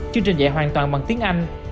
chương trình dạy hoàn toàn bằng tiếng anh